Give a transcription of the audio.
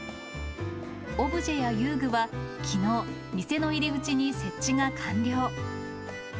オブジェや遊具は、きのう、店の入り口に設置が完了。